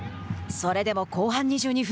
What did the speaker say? それでも後半２２分